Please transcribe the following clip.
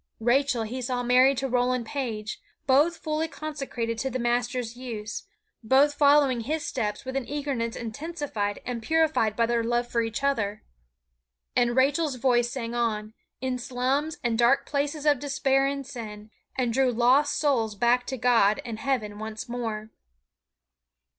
Rachel he saw married to Rollin Page, both fully consecrated to the Master's use, both following His steps with an eagerness intensified and purified by their love for each other. And Rachel's voice sang on, in slums and dark places of despair and sin, and drew lost souls back to God and heaven once more.